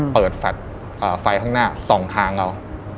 เปิดฝัดไฟข้างหน้า๒ทางเรา